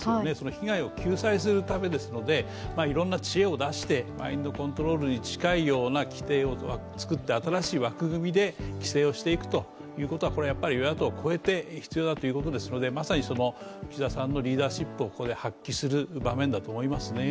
被害を救済するためですので、いろんな知恵を出してマインドコントロールに近いような規定を作って新しい枠組みで規制をしていくということは与野党を超えて必要だということですので、まさに岸田さんのリーダーシップをここで発揮する場面だと思いますね。